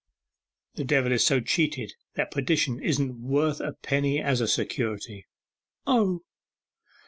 'The devil is so cheated that perdition isn't worth a penny as a security.' 'Oh!